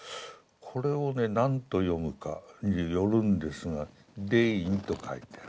これをね何と読むかによるんですが「デイン」と書いてある。